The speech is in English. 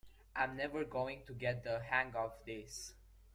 I’m never going to get the hang of this.